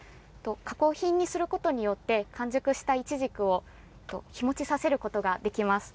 加工品にすることによって完熟したいちじくを日持ちさせることができます。